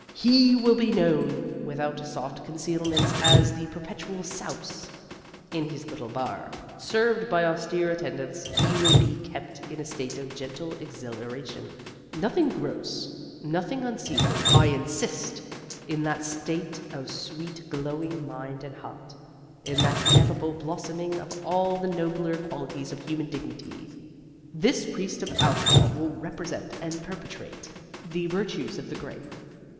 He will be known, without soft concealments, as the Perpetual Souse. In his little bar, served by austere attendants, he will be kept in a state of gentle exhilaration. Nothing gross, nothing unseemly, I insist! In that state of sweetly glowing mind and heart, in that ineffable blossoming of all the nobler qualities of human dignity, this priest of alcohol will represent and perpetuate the virtues of the grape.